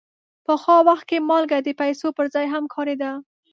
پخوا وخت کې مالګه د پیسو پر ځای هم کارېده.